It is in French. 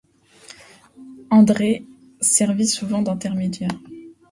André servit souvent d’intermédiaire.